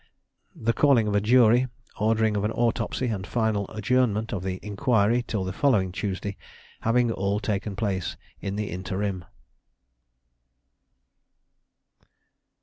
the calling of a jury, ordering of an autopsy, and final adjournment of the inquiry till the following Tuesday, having all taken place in the interim.